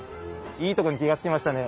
いいとこに気が付きましたね。